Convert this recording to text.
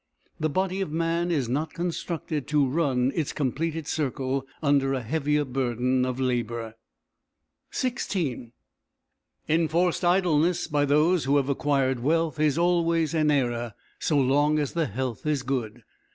The body of man is not constructed to run its completed circle under a heavier burden of labour. XVI Enforced idleness, by those who have acquired wealth, is always an error so long as the health is good.